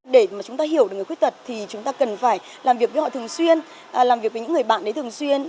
để mà chúng ta hiểu được người khuyết tật thì chúng ta cần phải làm việc với họ thường xuyên làm việc với những người bạn đấy thường xuyên